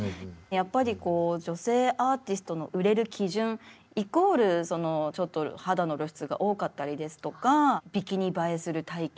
やっぱりこう女性アーティストの売れる基準イコールちょっと肌の露出が多かったりですとかビキニ映えする体型